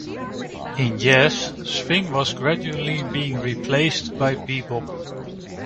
In jazz, swing was gradually being replaced by bebop.